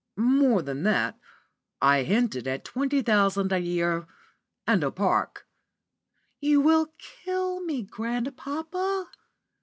"More than that. I hinted at twenty thousand a year and a park." "You will kill me, grandpapa!"